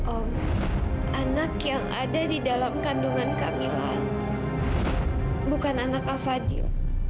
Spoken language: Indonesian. om anak yang ada di dalam kandungan kamila bukan anaknya fadil